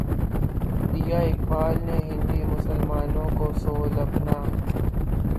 دیا اقبالؔ نے ہندی مسلمانوں کو سوز اپنا